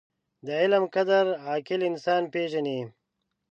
• د علم قدر، عاقل انسان پېژني.